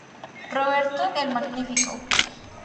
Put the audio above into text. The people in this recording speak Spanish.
Roberto el Magnífico.